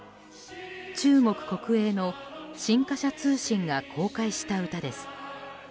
中国国営の新華社通信が公開した歌です。